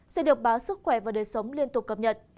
sẽ được báo sức khỏe và đời sống liên tục cập nhật